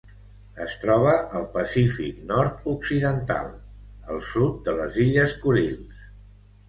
Es troba al Pacífic nord-occidental: el sud de les illes Kurils.